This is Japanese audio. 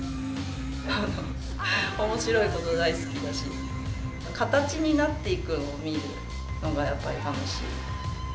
面白いこと大好きだし形になっていくのを見るのがやっぱり楽しい。